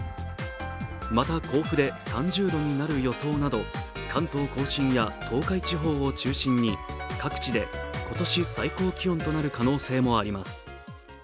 また、甲府で３０度になる予想など、関東甲信や東海地方を中心に各地で今年最高気温となる可能性もあります。